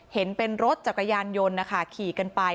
เห็นเป็นรถจักรยานยนต์นะคะขี่กันไป